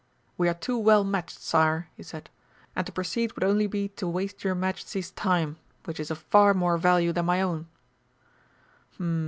"We are too well matched, Sire," he said, "and to proceed would only be to waste your Majesty's time, which is of far more value than my own."